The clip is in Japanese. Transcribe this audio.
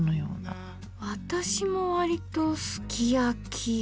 私も割とすき焼き。